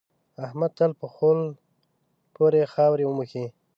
احمد تل په خول پورې خاورې موښي.